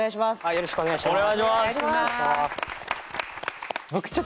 よろしくお願いします。